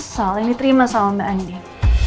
sa yang diterima sama mbak anin